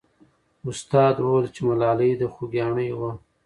استاد وویل چې ملالۍ د خوګیاڼیو وه.